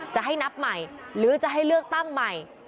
จะให้นับใหม่หรือจะให้เลือกตั้งใหม่